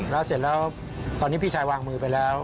แล้วเสร็จแล้วตอนนี้พี่ชายวางมือไปแล้ว